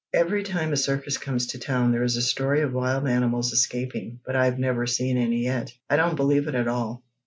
"Every time a circus comes to town there is a story of wild animals escaping, but I've never seen any yet. I don't believe it at all!"